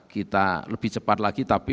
kita lebih cepat lagi tapi